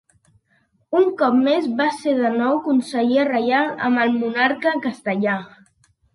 Un cop més, va ser de nou conseller reial amb el monarca castellà.